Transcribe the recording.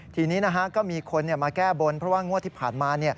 ทีนี้ก็มีคนมาแก้บนเพราะว่างวดที่ผ่านมา